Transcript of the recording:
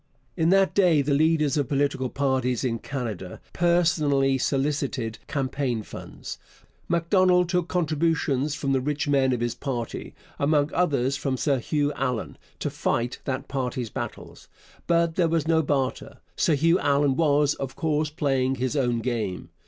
In that day the leaders of political parties in Canada personally solicited campaign funds. Macdonald took contributions from the rich men of his party among others from Sir Hugh Allan to fight that party's battles. But there was no barter. Sir Hugh Allan was, of course, playing his own game.